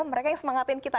mereka yang semangatin kita